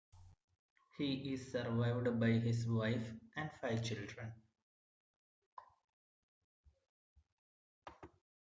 He is survived by his wife and five children.